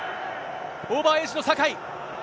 オーバーエイジの酒井。